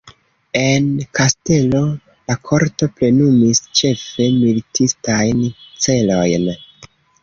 En kastelo, la korto plenumis ĉefe militistajn celojn.